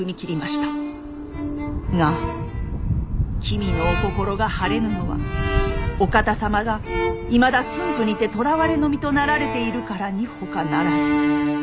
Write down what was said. が君のお心が晴れぬのはお方様がいまだ駿府にてとらわれの身となられているからにほかならず。